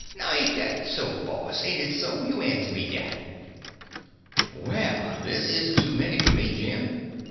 Now ain' dat so, boss—ain't it so? You answer me dat." "Well, this is too many for me, Jim.